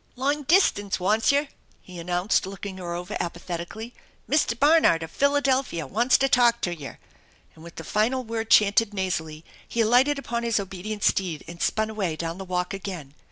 " Long distance wants yer," he announced, looking her over aj^athetically. " Mr. Barnard, of Philadelphia, wants to talk to yer !" and with the final word chanted nasally he alighted upon his obedient steed and spun away down the walk again.